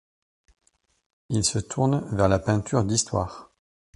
Il se tourne vers la peinture d'histoire.